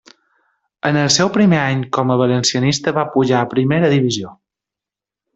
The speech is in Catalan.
En el seu primer any com a valencianista va pujar a Primera divisió.